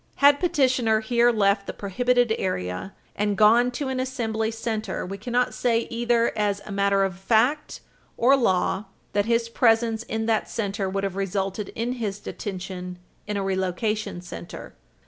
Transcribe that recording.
Had petitioner here left the prohibited area and gone to an assembly center, we cannot say, either as a matter of fact or law, that his presence in that center would have resulted in his detention in a relocation center.